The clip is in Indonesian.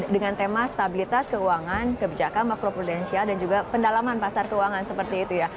dengan tema stabilitas keuangan kebijakan makro prudensial dan juga pendalaman pasar keuangan seperti itu ya